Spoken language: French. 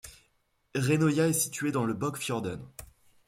Reinøya est située dans le Bøkfjorden.